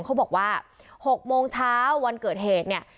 เขาบอกว่า๖โมงเช้าวันเกิดเหตุเนี่ย